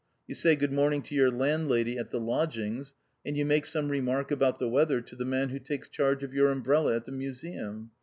You say 'Good morning' to your landlady at the lodgings, and you make some remark about the weather to the man who takes charge of your umbrella at the Museum.